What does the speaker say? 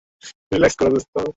তাদের ভয়ে পালাতে হবে।